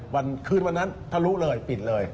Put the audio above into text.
คืนวันนั้นทะลุเลยปิดเลย